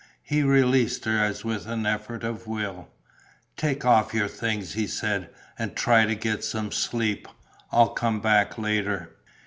He released her as with an effort of will: "Take off your things," he said, "and try to get some sleep. I'll come back later."